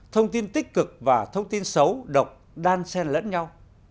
thông tin tích cực và thông tin xấu độc đan sen lẫn nhau